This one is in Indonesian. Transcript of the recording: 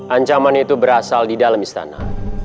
ancaman itu berasal di dalam istana